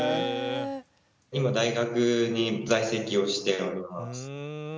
今大学に在籍をしております。